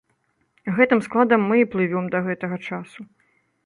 Гэтым складам мы і плывём да гэтага часу.